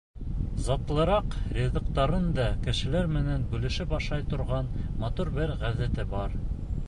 Затлыраҡ ризыҡтарын да кешеләр менән бүлешеп ашай торған матур бер ғәҙәте бар.